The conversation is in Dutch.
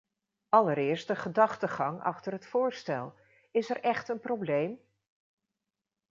Allereerst de gedachtegang achter het voorstel: is er echt een probleem?